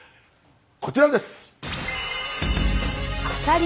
こちらです！